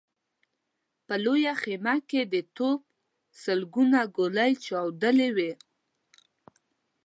په لويه خيمه کې د توپ سلګونه ګولۍ چاودلې وې.